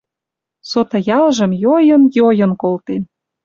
Соты ялжым йойын, йойын колтен.